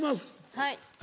はい。